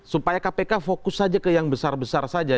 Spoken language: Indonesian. supaya kpk fokus saja ke yang besar besar saja